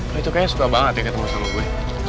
nah itu kayaknya suka banget ya ketemu sama gue